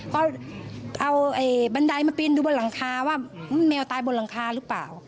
ก็เอาบันไดมาปีนดูบนหลังคาว่าแมวตายบนหลังคาหรือเปล่า